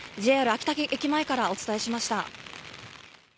秋田駅前からお伝えしました。